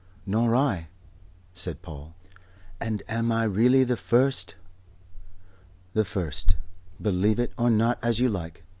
"Nor I," said Paul. "And am I really the first?" "The first. Believe it or not as you like.